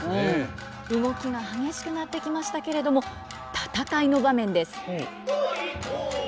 動きが激しくなってきましたけれども戦いの場面です。